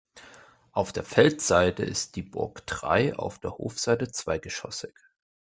Auf der Feldseite ist die Burg drei-, auf der Hofseite zweigeschossig.